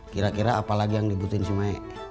kira kira apa lagi yang dibutuhin si mae